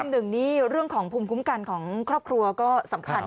หนึ่งนี่เรื่องของภูมิคุ้มกันของครอบครัวก็สำคัญ